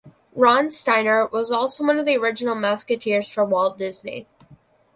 Ron Steiner was also one of the original Mouseketeers for Walt Disney.